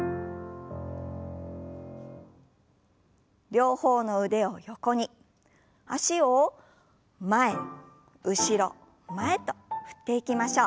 両方の腕を横に脚を前後ろ前と振っていきましょう。